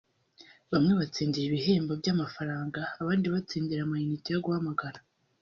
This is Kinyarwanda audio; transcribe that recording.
bamwe batsindira ibihembo by’amafaranga abandi batsindira amainite yo guhamagara